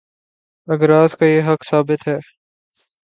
اگراس کا یہ حق ثابت ہے۔